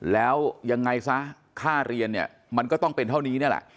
แล้วยังไงซะค่าเรียนเนี่ยมันก็ต้องเป็นเท่านี้นี่แหละ